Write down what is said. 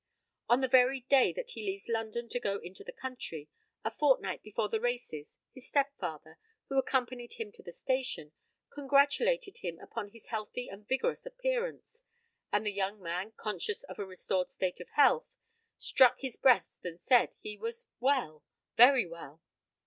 On the very day that he leaves London to go into the country, a fortnight before the races, his stepfather, who accompanied him to the station, congratulated him upon his healthy and vigorous appearance, and, the young man, conscious of a restored state of health, struck his breast, and said "He was well, very well."